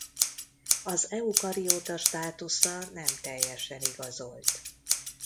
Az eukarióta státusza nem teljesen igazolt.